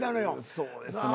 そうですね。